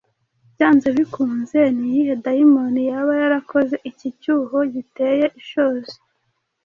byanze bikunze: niyihe dayimoni Yaba yarakoze iki cyuho giteye ishozi,